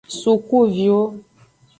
Sukuviwo.